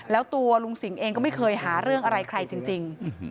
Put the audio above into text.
แล้วตัวลุงสิงห์เองก็ไม่เคยหาเรื่องอะไรใครจริง